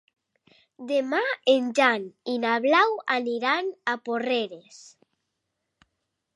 Demà en Jan i na Blau aniran a Porreres.